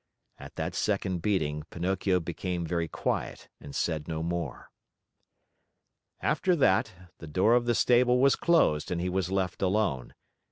At that second beating, Pinocchio became very quiet and said no more. After that, the door of the stable was closed and he was left alone.